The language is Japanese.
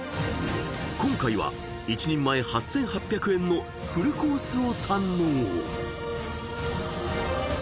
［今回は一人前８，８００円のフルコースを堪能］